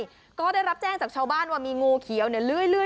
เพราะได้รับแจ้งจากชาวบ้านว่ามีงูเขียวเนี่ย